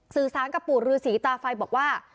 สื่อสารกับปู่ฤษีตาไฟบอกว่า